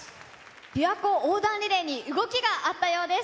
びわ湖横断リレーに、動きがあったようです。